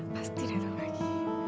pasti dia datang lagi